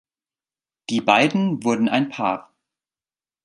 Die beiden wurden ein Paar.